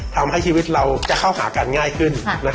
ทำให้ชีวิตเราจะเข้าหากันง่ายขึ้น